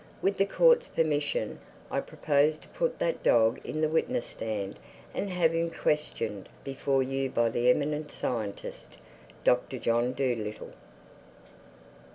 With the Court's permission I propose to put that dog in the witness stand and have him questioned before you by the eminent scientist, Doctor John Dolittle."